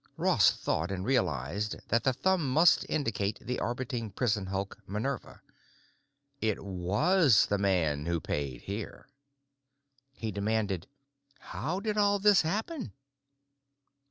Ross thought and realized that the thumb must indicate the orbiting prison hulk "Minerva." It was the man who paid here. He demanded: "How did all this happen?"